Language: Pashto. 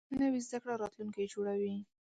نوې زده کړه راتلونکی جوړوي